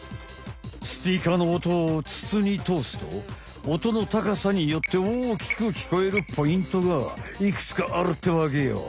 スピーカーの音をつつにとおすと音の高さによって大きくきこえるポイントがいくつかあるってわけよ。